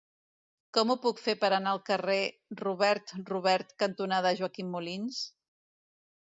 Com ho puc fer per anar al carrer Robert Robert cantonada Joaquim Molins?